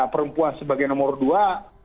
perempuan sebagai nomor dua